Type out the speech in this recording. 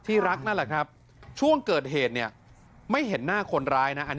รักนั่นแหละครับช่วงเกิดเหตุเนี่ยไม่เห็นหน้าคนร้ายนะอันนี้